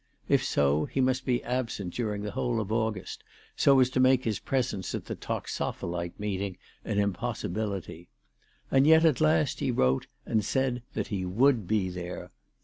If so, he must be absent during the whole of August, so as to make his presence at the toxopholite meeting an impossibility. And yet at last he wrote and said that he would be there.